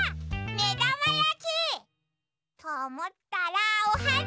めだまやき！とおもったらおはな！